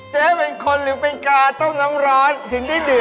เป็นคนหรือเป็นกาต้มน้ำร้อนถึงได้เดือด